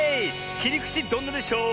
「きりくちどんなでショー」